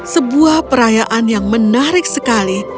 sebuah perayaan yang menarik sekali